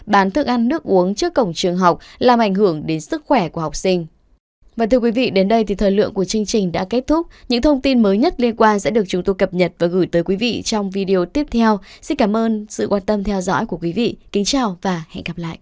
bán thức ăn nước uống trước cổng trường học làm ảnh hưởng đến sức khỏe của học sinh